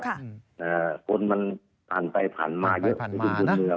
คนมันผ่านไปผ่านมาเยอะ